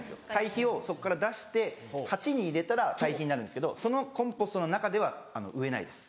堆肥をそこから出して鉢に入れたら堆肥になるんですけどそのコンポストの中では植えないです。